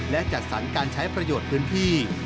และจัดสรรการใช้ประโยชน์พื้นที่